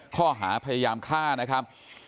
ข้อหาพยายามฆ่านะครับ